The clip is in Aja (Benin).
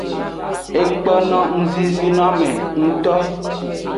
Ekpo no ngzinzin noame ngto.